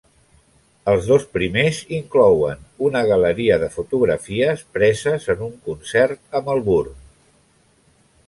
Els dos primers inclouen una galeria de fotografies preses en un concert a Melbourne.